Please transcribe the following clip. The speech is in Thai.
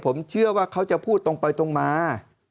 ผมเชื่อว่าเขาจะพูดตรงไปตรงมา